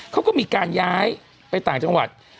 เขาก็มีการย้ายไปต่างจังหวัด